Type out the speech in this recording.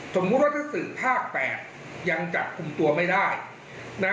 สมมุติว่าถ้าสื่อภาค๘ยังจับกลุ่มตัวไม่ได้นะ